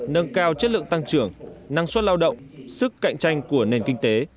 nâng cao chất lượng tăng trưởng năng suất lao động sức cạnh tranh của nền kinh tế